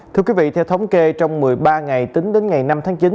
thưa quý vị theo thống kê trong một mươi ba ngày tính đến ngày năm tháng chín